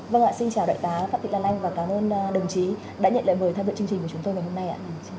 vâng ạ xin chào đại tá phạm thị lan anh và cảm ơn đồng chí đã nhận lời mời tham dự chương trình của chúng tôi ngày hôm nay